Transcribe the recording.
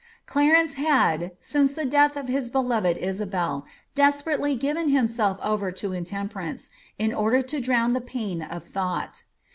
Clarence had, since the death of his belored Isabel, desperately given hinv aelf over to intemperance, in order to drown the pain of thought.